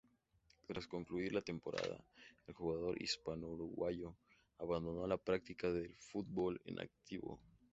Tras concluir la temporada el jugador hispano-uruguayo abandonó la práctica del fútbol en activo.